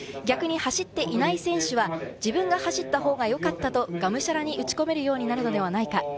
逆に走っていない選手は自分が走った方がよかったと、がむしゃらに打ち込めるようになるのではないか。